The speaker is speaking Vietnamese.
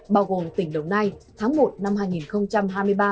bao gồm tỉnh đồng nai tháng một năm hai nghìn hai mươi ba